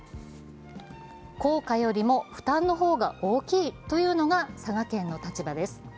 効果よりも負担の方が大きいというのが佐賀県の立場です。